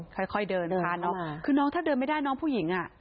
ค่อยเดินคุณน้องถ้าเดินไม่ได้น้องผู้หญิง